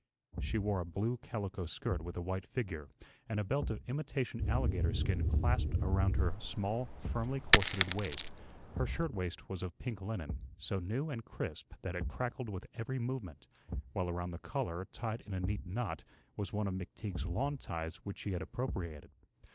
She wore a blue calico skirt with a white figure, and a belt of imitation alligator skin clasped around her small, firmly corseted waist; her shirt waist was of pink linen, so new and crisp that it crackled with every movement, while around the collar, tied in a neat knot, was one of McTeague's lawn ties which she had appropriated.